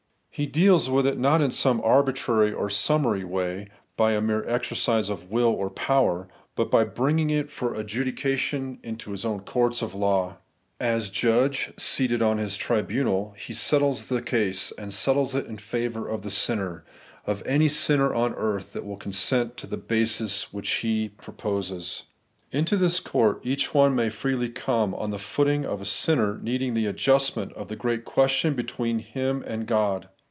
He deals with it not in some arbitrary or summary ^^7, by a mere exercise of will or power, but by bringing it for adjudication into His own courts of law. As judge, seated on His tribunal. He settles the case, and settles it in favour of the sinner, — of any sinner on the earth that will consent to the basis which He proposes. Into this court each one may freely come, on the footing of a sinner needing the adjustment of the great question between him and God.